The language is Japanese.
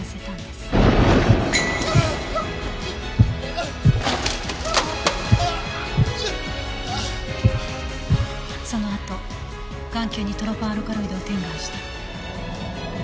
そのあと眼球にトロパンアルカロイドを点眼した。